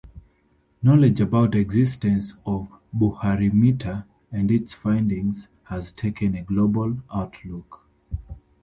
Knowledge about existence of Buharimeter and its findings has taken a global outlook.